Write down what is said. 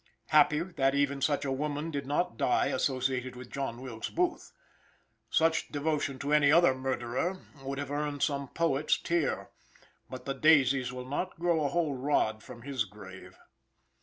Happy that even such a woman did not die associated with John Wilkes Booth. Such devotion to any other murderer would have earned some poet's tear. But the daisies will not grow a whole rod from his grave.